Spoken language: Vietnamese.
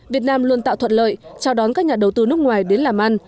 việt nam luôn tạo thuận lợi chào đón các nhà đầu tư nước ngoài đến làm ăn